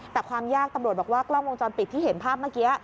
แต่ความยากตำรวจบอกว่ากล้องวงจรปิดที่เห็นภาพเมื่อกี้